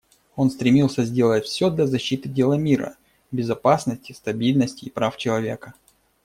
Он стремился сделать все для защиты дела мира, безопасности, стабильности и прав человека.